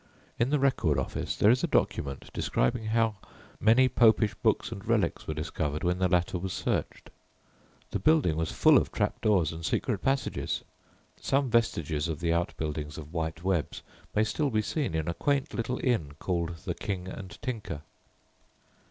In the Record Office there is a document describing how, many Popish books and relics were discovered when the latter was searched. The building was full of trap doors and secret passages. Some vestiges of the out buildings of "White Webb's" may still be seen in a quaint little inn called "The King and Tinker."